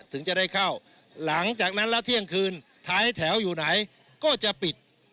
ถึงจะได้เข้าหลังจากนั้นแล้วเที่ยงคืนท้ายแถวอยู่ไหนก็จะปิด